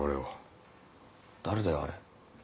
誰だよあれ。